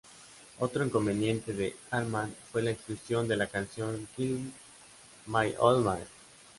Otro inconveniente de Hartman fue la exclusión de la canción "Killing My Old Man".